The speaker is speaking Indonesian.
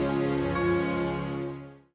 aku kabur dari rumah ki